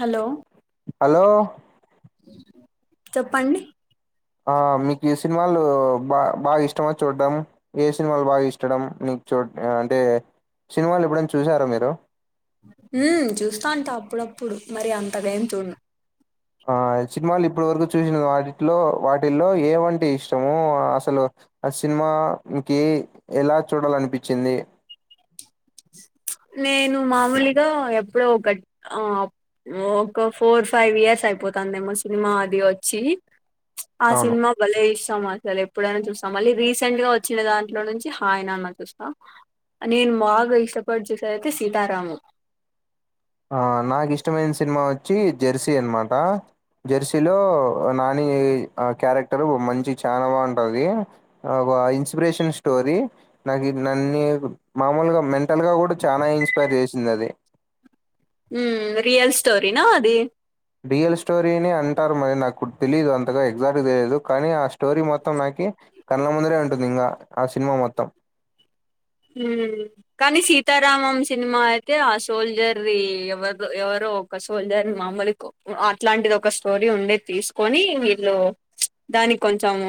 Hello hello చెప్పండి ఆ మీకు ఈ సినిమాలు బా బాగా ఇష్టమ చూడ్డం ఏ సినిమాలు బాగా ఇష్టడం మీకు చూ అంటే సినిమాలు ఎప్పుడైనా చూసారా మీరు ఉమ్ చూస్తాంట అప్పుడప్పుడు మరి అంతగా ఏం చూడను. ఆ సినిమాలు ఇప్పటి వరకు చూసిన వాటిలో వాటిల్లో ఏమంటే ఇష్టము. అసలు సినిమా ఇంకే ఎలా చూడాలనిపిచ్చింది. నేను మామూలుగా ఎప్పుడో ఒకటి ఆ ఒక ఫోర్ ఫైవ్ ఇయర్స్ అయిపోతుందమో సినిమా అది వచ్చి ఆ అవును సినిమా భలే ఇష్ ష్టం సరే ఎప్పుడైనా చూస్తాం మళ్ళీ రీసెంట్ గా వచ్చిన దాంట్లో నుంచి హాయ్ నాన్న చూస్తా నేను బాగా ఇష్టపడి చూసేది ఆయితే సీతారామం ఆ నాకు ఇష్టమైన సినిమా వోచ్చి జెర్సీ అన్నమాట జెర్సీలో ఆ నాని ఆ క్యారెక్టర్ మంచి చానా బాగుంటది. ఇన్స్పిరేషన్ స్టోరీ నాకు నన్ను మామూలుగా మెంటల్ గా కూడా చానా ఇన్స్పైర్ చేసింది అదే ఉమ్ రియల్ స్టోరినా అది రియల్ స్టోరీనే అంటారు. మరి నాకు తెలీదు అంతగా ఎగ్జాక్ట్ గా తెలియదు. కానీ ఆ స్టోరీ మొత్తం నాకు కె కళ్ల ముందురే ఉంటుంది. ఇంకా ఆ సినిమా మొత్తం ఉమ్ కానీ సీతారామం సినిమా అయితే ఆ సోల్డీర్ డి ఎవరు ఎవరో ఒక సోల్డీర్ మామూలు కు అట్లాంటిది ఒక స్టోరీ ఉండే తీసుకొని వీళ్ళు దానికి కొంచము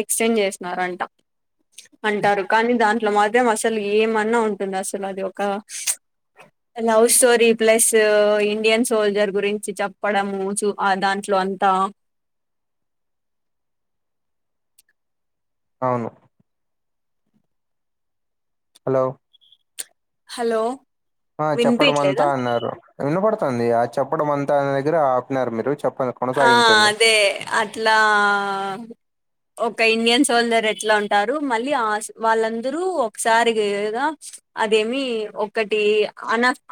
ఎక్స్‌టెంజ్ చేసినారంట అంటారు. కానీ దాంట్లో మా త్రం అసలు ఏమన్నా ఉంటుంద అసలు అది ఒక love story plus Indian soldier గురించి చెప్పడం చు దాంట్లో అంతా అవును హలో హలో ఆ చెప్పడం అంతా వినిపియట్లేదా అన్నారు వినపడుతుంది. ఆ చెప్పడం అంతా అన్న దగ్గర ఆపినారు మీరు చెప్ప ఆ అదే అట్లా ఒక ఇండియన్ సోల్డీయార్ ఎట్లా ఉంటారు. మళ్ళీ ఆ వాళ్ళందరూ ఒకసారిగా అదేమి ఒకటి అనాఫ్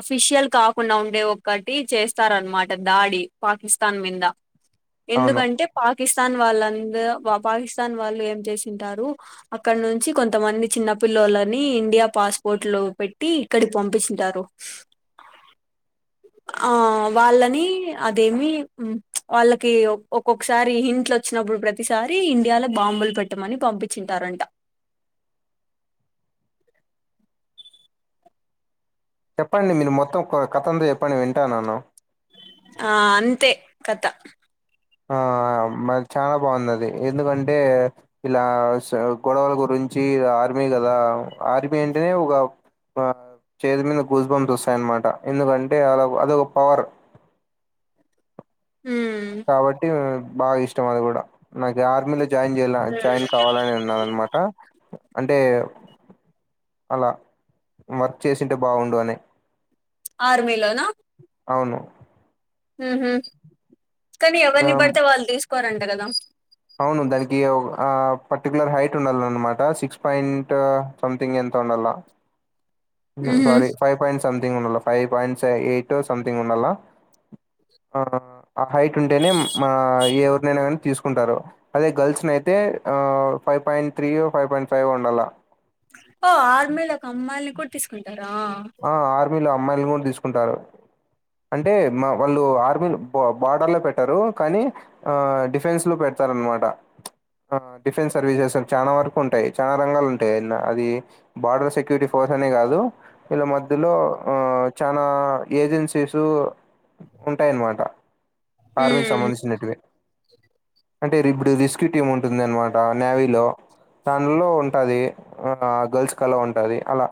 అఫిషియల్ కాకుండా ఉండే ఒకటి చేస్తా రు ఆన్నమాట దాడి పాకిస్తాన్ మింద అవును ఎందుకంటే పాకిస్తాన్ వాళ్ళు ఇంగ పాకిస్తాన్ వాళ్ళు ఏం చేసింటారు. అక్కడ నుంచి కొంతమంది చిన్న పిల్లలని ఇండియా పాస్పోర్ట్లు పెట్టి ఇక్కడికి పంపింస్తుంటరు. ఆ వాళ్ళని అదేమి వాళ్ళకి ఒక్కొక్కసారి హింట్లు వోచ్చినప్పుడు ప్రతిసారి ఇండియాలో బాంబ్ బులు పెట్టమని పంపించి ఉంటారంట చెప్పండి మీరు మొత్తం కథంత చెప్పండి. వింటా నేను ఆ అంతే కథ ఆ ఆ మా చానా బాగుంది. ఎందుకంటే ఇలా గొడవల గురించి ఆ ఆర్మీ కదా ఆర్మీ అంటేనే ఒక ఆ చేతి మీద గుస్బమ్స్ వస్తాయన్నమాట ఎందుకంటే అలా అధోక పవర్ ఉమ్ కాబట్టి బాగా ఇష్టం అది కూడా నాకు ఆర్మీలో జాయిన్ చేయ జాయిన్ కావాలనీ ఉన్నాది. అన్నమాట అంటే అలా వర్క్ చేసింటే బాగుండు అని ఆర్మీలోనా అవును ఉహ కానీ ఎవరిని ఆమ్, పడితే వాళ్ళు తీసుకోరంట కదా అవును దానికి పర్టికులర్ హైట్ ఉండాల అనమాట సిక్స్ పాయింట్ సంథింగ్ ఎంత స ఉహు ఫైవ్ పాట్ సమింగ్ ఉండ ఫైవ్ పాయింట్ ఎయిట్ సంతింగ్ ఉండల్ ఆ హైట్ ఉంటేనే ఎవరినైనా కానీ తీసుకుంటారు అదే గర్ల్స్ అయితే అతే five point త్రీయ five point five ఉండాల ఆ వీళ్ళు అమ్మాయిలు కూడా తీసుకుంటారు అంటే మా వాళ్ళు ఆర్మీ బార్డర్ లో పెట్టారు కానీ ఆ డిఫెన్స్ లో పెట్టారు నమాట ఆ డిఫెన్స్ సర్వీసెస్ చాలా వరకు ఉంటాయి చాలా రంగాలు ఉంటాయి అన్న అది బార్డర్ సెక్యూరిటీ ఫోర్స్ అనే కాదు ఇళ మధ్యలో ఆ చాలా ఏజెన్సీసు ఉంటాయన్నమాట కార్మికు ఉమ్ సంబంధించినట్వే అంటే ఇప్పుడు రెస్క్యూ టీమ్ ఉంటుంది అనమాట నేవీ లో దానిలో ఉంటది ఆ గర్ల్స్ కలా ఉంటది అలా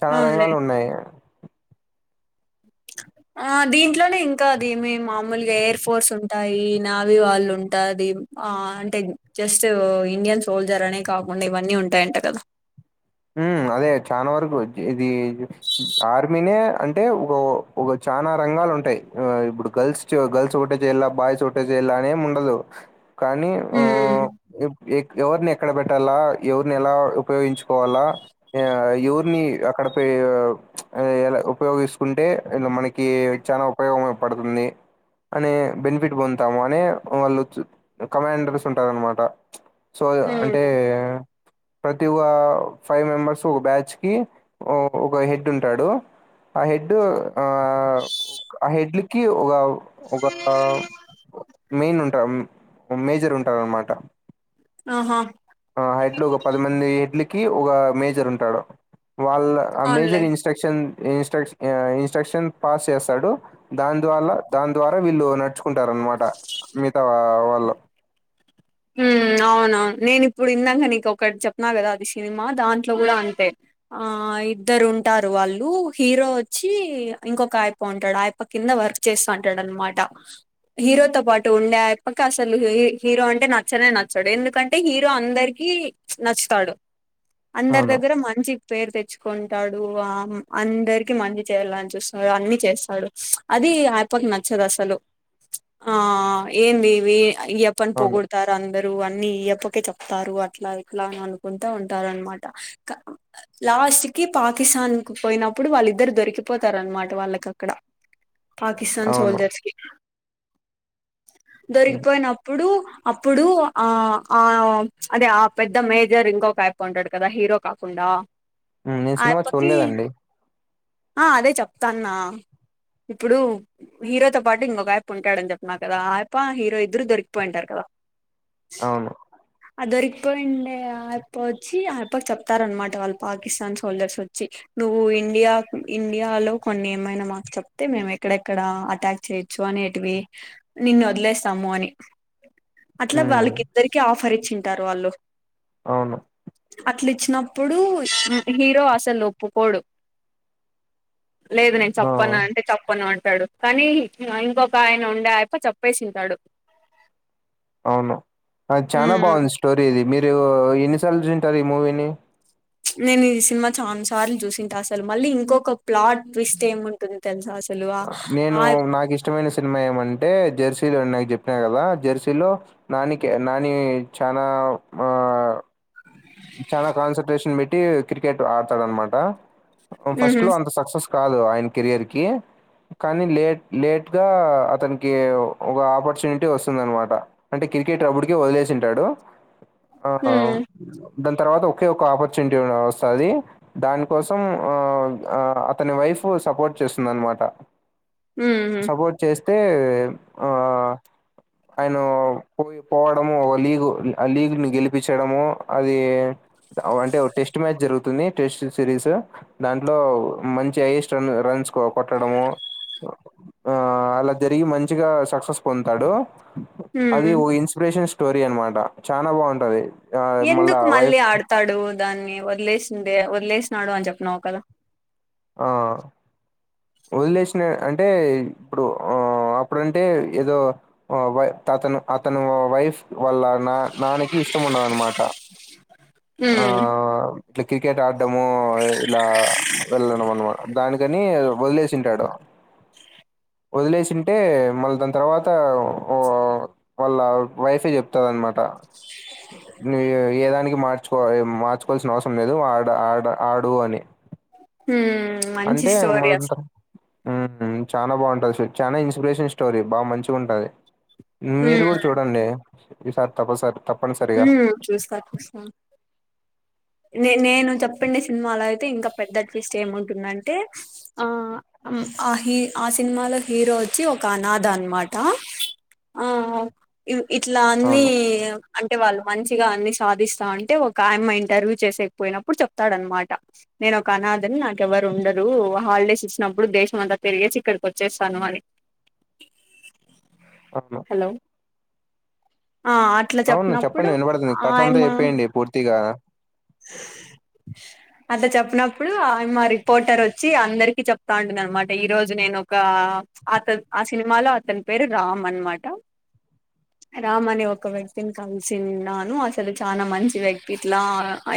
చాలా అవునులే రంగాలు ఉన్నాయి [unintelligible] ఆ దీంట్లోనే ఇంకా అద ఏమే మామూలుగా ఎయిర్ ఫోర్స్ ఉంటాయి నావీ వాళ్ళు ఉంటాది ఆ అంటే జస్ట్ ఇండియన్ సోల్జర్ అనే కాకుండా ఇవన్నీ ఉంటాయంట కదా [unintelligible] అదే చాలా వరకు ఇది ఆర్మీనే అంటే ఒక చాలనా రంగాలు ఉంటాయి ఇప్పుడు గర్ల్స్ గర్ల్స్ ఒకటే చేయలా బాయ్స్ ఒకటే చేయాల అనేం ఉండదు కానీ ఆ హ్మ్ ఎవరిని ఎక్కడ పెట్టాలా ఎవరిని ఎలా ఉపయోగించు కోవాలా ఎవరిని అక్కడ ఎలా ఉపయోగిస్తుకుంటే మనకి చాలా ఉపయోగం పడుతుంది అనే బెనిఫిట్ పొందుతాము అనే వాళ్ళు కమాండర్స్ ఉంటారనమాట సో అంటే హ్మ్ ప్రతి ఒ ఫైవ్ మెంబర్స్ ఒక బ్యాచ్ కి ఒక హెడ్ ఉంటాడు ఆ హెడ్డు ఆ ఆ హెడ్లకి ఒక ఒక మెయిన్ ఉంటారు మేజర్ ఉంటారు అన్నమాట ఆహా ఆ హైట్లు ఒక పదిమంది హడ్లికి ఒక మేజర్ ఉంటాడు వాళ్ళ ఆ అవునులే major instruction instruction instruction pass చేస్తాడు దాని దవల్లా దాని ద్వారా వీళ్ళు నడుచుకుంటార అనమాట మిగతా వాళ్ళు [unintelligible] అవును నేను ఇప్పుడు ఇందక నీకు ఒకటి చెప్పినా కదా అది సినిమా దాంట్లో కూడా అంతే ఆ ఇద్దరు ఉంటారు వాళ్ళు హీరో వచ్చి ఇంకొక ఆయప ఉంటాడు ఆయప కింద వర్క్ చేస్తా ంటాడనమాట హీరోతో పాటు ఉండేప్పక అసలు హీరో అంటే నాకు నచ్చనే నచ్చాడు ఎందుకంటే హీరో అందరికి నచ్చుతాడు అందరి అవును దగ్గర మంచికి పేరు తెచ్చు కొంటాడు ఆ అందరికి మంచి చేయాలని చూస్తుడు అన్ని చేస్తాడు అది నచ్చదు అసలు ఆ ఏంద దివి ఇయప్పన్ అవును పోగుడు అందరుూ అన్ని ఇయప్పకే చెప్తారు అట్లా ఇట్లా అని అనుకుంటా ఉంటారు అనమాట లాస్ట్ కి పాకిస్తాన్ క పోయినప్పుడు వాళ్ళిద్దరు దొరికిపోతారునమాట వాళ్ళకి అక్కడ [unintelligible] పాకిస్తాన్ అవును సోల్జర్స్కి దొరికిపోయినప్పుడు అప్పుడు ఆ ఆ అదే ఆ పెద్ద మేజర్ ఒక అయిపో ఉంటాడు కదా హీరో కాకుండా ఆ నేను సినిమా ఆయప్పకి చూడలేదండి ఆ అదే చెప్తాన్నా ఇప్పుడు హీరోతో పాటు ఇంకొక ఆయప ఉంటాడని చెప్పిన కదా ఆయప హీరో ఇద్దరు దొరికిపోయింటారు కదా అవును అ దొరికిపోయిండే ఆయప్ప వచ్చి ఆయపాకి చెప్తారనమాట వాళ్ళు పాకిస్తాన్ సోల్జర్స్ ఒచ్చి నువ్వు ఇండియా ఇండియాలో కొన్ని ఏమైనా మాకుస్ చెప్తే మేము ఎక్కడెక్కడ అటాక్ చేయొచ్చు అని నిన్ని వొద్లేస్తము అని అట్లా ఉమ్, వాళ్ళకి ఇద్దరికి ఆఫర్ ఇచ్చింటారు వాళ్ళు అవును వచ్చినప్పుడు హీరో అసలు ఒప్పుకోడు లేదు నేను ఆ చెప్పను అంటే చెప్పను అంట స్తాడు కానీ ఇంకొక ఆయన ఉండే అయ్యప్ప చెప్పేసింటాడు అవును చాల మ్మ్ బాగుంది స్టోరీ ఇది మీరు మీరు ఎన్నిసార్లు చూసిటారు ఈ మూవీని నేను ఈ సినిమా చాలా సార్లు చూసింట అసలు మళ్ళీ ఇంకొక ప్లాట్ ట్విస్ట్ ఏముంటుంది తెలుసా అసలు ఆ నేను ఆ నాకు ఇష్టమైన సినిమా ఏమంటే జెర్సీలో [unintelligible] చెప్పినా కదా జెర్సీలో నాని నాని చాన ఆ చాలా కాన్సన్ట్రేషన్ పెట్టి క్రికెట్ ఆడతాడనమాట ఉహు ఫస్ట్ లో అంత సక్సెస్ కాదు ఆయన కెరియర్ కి కానీ లేట్ లేట్ గా అతనికి ఒక ఆపర్చునిటీ వస్తుంది అనమాట అంటే క్రికెట్ అప్పటికే వదిలేసింటాడు ఆ ఉమ్ దాని తర్వాత ఒకే ఒక ఆపర్చునిటీ వస్తుంది దానికోసం ఆ అతని వై వైఫ్ సపోర్ట్ చేస్తుంది అనమాట ఉహు సపోర్ట్ చేస్తే ఆయన పోయి పోవడము ఒక లీగ్ ఆ లీగ్ ని గెలిపించడము అది అంటే టెస్ట్ మ్యాచ్ జరుగుతుంది టెస్ట్ సిరీస్ దాంట్లో మంచి హైయెస్ట్ రన్ రన్స్ కొట్టడము ఆ అలా జరిగి మంచిగా సక్సెస్ పొందుతాడు అది ఉమ్ ఓ ఇన్స్పిరేషన్ స్టోరీ అన్నమాట చాన బాగుంటది ఆ మళ్ళా ఎందుకు మళ్ళీ వైఫ్ ఆడతాడు దాన్ని వదిలేసిందే వదిలేసినాడు అని చెప్న్నావు కదా ఆ వదిలేసినా అంటే ఇప్పుడు ఆ అప్పుడుంటే ఏదో వై తను అతను వైఫ్ వల్ల నా నానకి ఇష్టం ఉండదన్నమాట ఆ ఉమ్ ఇట్లా క్రికెట్ ఆడ్డాము ఇలా వెళ్ళడం అనమాట దానికని వదిలేసింటాడు వదిలేసింటే మళ్ళీ దాని తర్వాత ఓ వాళ్ళ వైఫే చెప్తది అనమాట అ నువు ఏదానికి మార్చుకో మార్చుకోల్సిన అవసరం లేదు ఆడ ఆడ ఆడు అని హ్మ్ అంటే మళ్ళీ ఇంక చాన బాగుంటుది చాన ఇన్స్పిరేషన్ స్టోరీ బాగా మంచిగా ఉంటుంది మీరు ఉమ్ కూడా చూడండి ఈసారి తప్పసార్ ఉ చూస్త చూస్త న నేను చెప్పండి సినిమాలో అయితే ఇంకా పెద్ద ట్విస్ట్ ఏముంటుందంటే ఆ ఆ హీ ఆ సినిమాలో హీరో వచ్చి ఒక అనాథ అనమాట ఆ ఇట్లా అన్ని అవును అంటే వాళ్ళు మంచిగా అన్ని సాధిస్తా అంటే ఒక ఆయమ్మ ఇంటర్వ్యూ చేసేకపోయినప్పుడు చెప్తాడనమాట నేను ఒక అనాథని నాకేవరు ఉండరు హాలిడేస్ ఇచ్చినప్పుడు దే దేశం అంతా తెరిగేసి ఇక్కడికి వచ్చేస్తాను అని అట్నా హలో ఆ అట్లా అవును చెప్పినప్పుడు చెప్పండి వినబడుతుంది కథ అంతా ఆయమ్మ చెప్పేయండి పూర్తిగా [inaudible] [inaudible] అటా చెప్పినప్పుడు ఆ మా రిపోర్టర్ వచ్చి అందరికి చెప్తా ఉంటది అన్నమాట ఈ రోజు నేను ఒక అత ఆ సినిమాలో అతని పేరు రామ్ అన్నమాట రామ్ అనే ఒక వ్యక్తిని కలిసిన్నాను అసలు చాలా మంచి వ్యక్తి ఇట్లా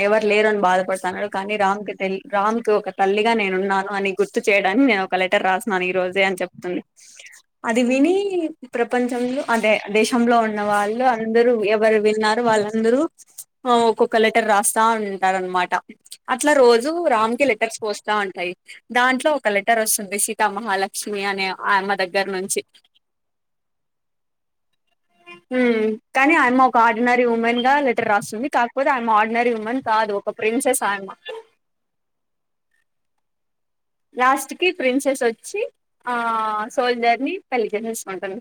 ఎవరు లేరు అని బాధపడుతున్నాడు కానీ రామ్ కు రామ్ కి ఒక తల్లిగా నేనున్నాను అని గుర్తు చేయడానికి నేను ఒక లెటర్ రాస్తున్నాను ఈ రోజే అని చెప్తుంది అది విని ప్రపంచం వీల్లు అంటే ఆ దేశంలో ఉన్న వాళ్ళు అందరూ ఎవరు విన్నారు వాళ్ళందరూ ఒక్కొక్క లెటర్ రాస్త స్తా ఉంటారు అన్నమాట అట్లా రోజు రామ్ కి లెటర్స్ వస్తా ఉంటాయి దాంట్లో ఒక లెటర్ వస్తుంది సీతామహాలక్ష్మి అనే ఆమె దగ్గర నుంచి [inaudible] ఉమ్ కాని ఆమె ఒక ఆర్డినరీ ఉమెన్ గా లెటర్ రాస్తుంది కాకపోతే ఆమె ఆర్డినరీ ఉమెన్ కాదు ఒక ప్రిన్సెస్ ఆయమ్మా లాస్ట్ కి ప్రిన్సెస్ వచ్చి ఆ సోల్జర్ని పెళ్ళి చేసేసుకుంటుంది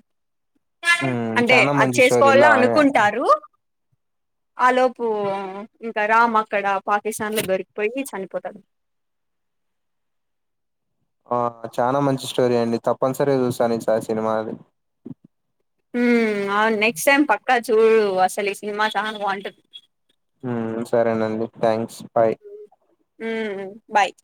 ఉమ్ అంటే చానా అది మంచి స్టోరీ ఇలా చేసుకోవాలా అనుకుంటారు ఆ లోపు ఇంకా రామ్ అక్కడ పాకిస్తాన్ లో దొరికిపోయి చనిపో పోతడు ఆ చాలా మంచి స్టోరీ అండి తప్పనిసరిగా చూస్తాను ఈసారి ఆ సినిమా అది ఉమ్ ఆ నెక్స్ట్ టైమ్ పక్కా చూడు అసలు ఈ సినిమా చాన బాగుంటది ఉమ్ సరేనండి థ్యాంక్స్ బాయ్ ఉమ్ బాయ్